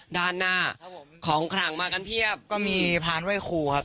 ด้านหน้าของขลังมากันเพียบก็มีพาร์ทไห้ครูครับ